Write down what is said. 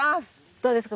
どうですか？